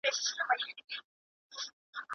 ¬ خپله لاسه، گله لاسه